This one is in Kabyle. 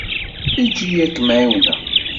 Eǧǧ-iyi ad k-ɛiwneɣ.